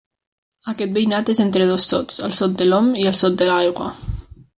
Aquest veïnat és entre dos sots, el sot de l'Om i el sot de l'aigua.